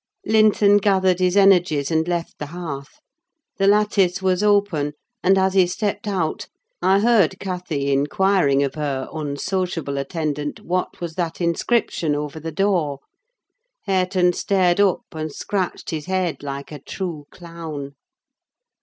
Linton gathered his energies, and left the hearth. The lattice was open, and, as he stepped out, I heard Cathy inquiring of her unsociable attendant what was that inscription over the door? Hareton stared up, and scratched his head like a true clown.